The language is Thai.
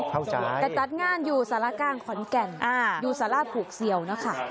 เข้าใจแต่จัดงานอยู่สารกลางขอนแก่นอยู่สาราผูกเสี่ยวนะคะ